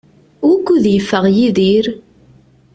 Wukud yeffeɣ Yidir?